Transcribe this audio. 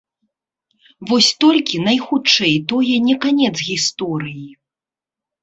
Вось толькі, найхутчэй, тое не канец гісторыі.